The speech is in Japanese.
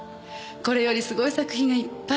これよりすごい作品がいっぱい。